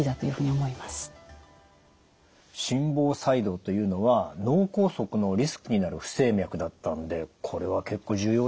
心房細動というのは脳梗塞のリスクになる不整脈だったのでこれは結構重要ですね。